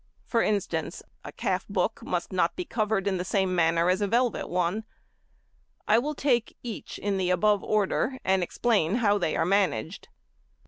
For instance, a calf book must not be covered in the same manner as a velvet one: I will take each in the above order and explain how they are managed.